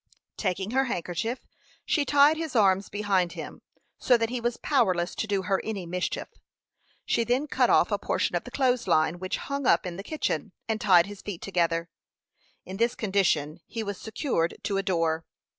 Taking her handkerchief, she tied his arms behind him, so that he was powerless to do her any mischief. She then cut off a portion of the clothes line, which hung up in the kitchen, and tied his feet together. In this condition, he was secured to a door.